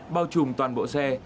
bao trùm toàn bộ xe